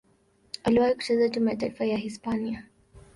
Aliwahi kucheza timu ya taifa ya Hispania.